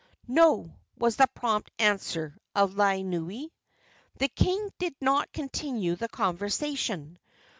"No," was the prompt answer of Laanui. The king did not continue the conversation.